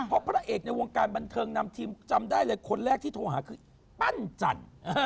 เพราะพระเอกในวงการบันเทิงนำทีมจำได้เลยคนแรกที่โทรหาคือปั้นจันทร์